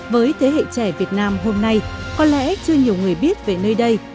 với thế hệ trẻ việt nam hôm nay có lẽ chưa nhiều người biết về nơi đây